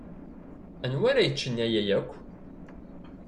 Anwa ara yeččen aya akk?